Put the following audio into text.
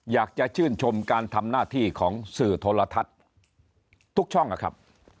อยากจะชื่นชมการทำหน้าที่ของสื่อโทรทัศน์ทุกช่องนะครับ